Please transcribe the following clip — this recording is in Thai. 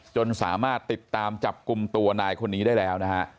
จนสามารถติดตามจับกลุ่มตัวนายคนนี้ได้แล้วนะฮะ